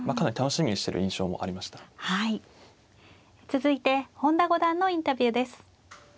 続いて本田五段のインタビューです。